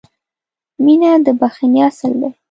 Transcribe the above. • مینه د بښنې اصل دی.